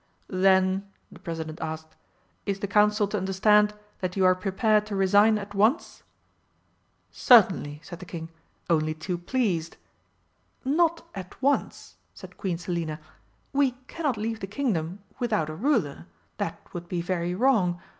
"Then," the President asked, "is the Council to understand that you are prepared to resign at once?" "Certainly," said the King. "Only too pleased!" "Not at once," said Queen Selina. "We cannot leave the Kingdom without a ruler that would be very wrong.